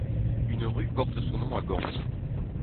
Une rue porte son nom à Gand.